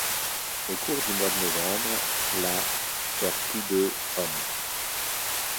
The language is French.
Au cours du mois de novembre, la perd plus de hommes.